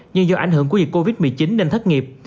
nhưng do ảnh hưởng của dịch covid một mươi chín nên thất nghiệp